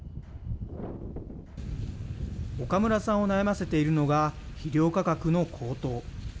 岡村さんを悩ませているのが肥料価格の高騰。